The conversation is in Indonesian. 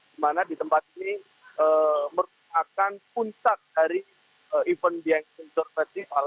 di mana di tempat ini merupakan puncak dari event biang inter festival